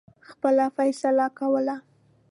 خپله فیصله کوله.